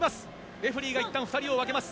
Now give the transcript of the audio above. レフェリーがいったん２人を分けます。